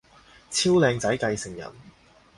超靚仔繼承人